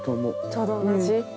ちょうど同じ？